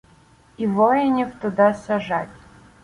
І воїнів туда сажать.